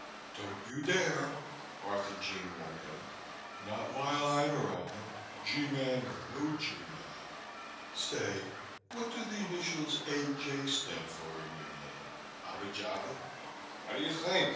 "Don't you dare!" Arthurjean warned him. "Not while I'm around, G Man or no G Man. Say, what do the initials A. J. stand for in your name? Abba Jabba?" "What do you think?